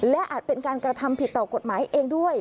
และอาจเป็นการกระทำผิดต่อกฎหมายเองด้วย